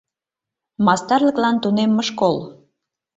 МАСТАРЛЫКЛАН ТУНЕММЕ ШКОЛ